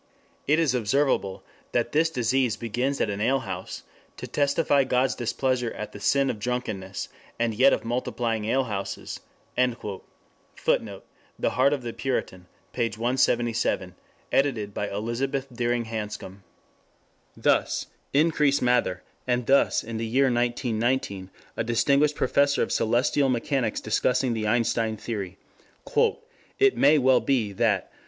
It is observable that this disease begins at an alehouse, to testify God's displeasure agt the sin of drunkenness & yt of multiplying alehouses!" [Footnote: The Heart of the Puritan, p. 177, edited by Elizabeth Deering Hanscom.] Thus Increase Mather, and thus in the year 1919 a distinguished Professor of Celestial Mechanics discussing the Einstein theory: "It may well be that....